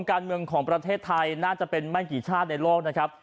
การเมืองของประเทศไทยน่าจะเป็นไม่กี่ชาติในโลกนะครับ